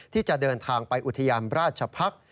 ที่จะเดินทางไปอุทยานราชพักษ์